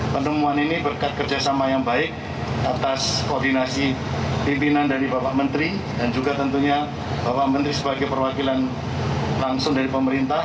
penemuan ini berkat kerjasama yang baik atas koordinasi pimpinan dari bapak menteri dan juga tentunya bapak menteri sebagai perwakilan langsung dari pemerintah